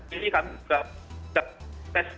ini kami juga tes